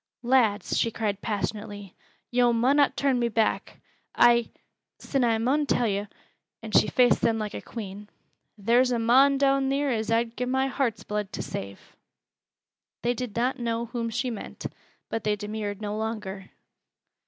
"Lads," she cried passionately, "yo' munnot turn me back. I sin I mun tell yo' " and she faced them like a queen "theer's a mon down theer as I'd gi' my heart's blood to save." They did not know whom she meant, but they demurred no longer.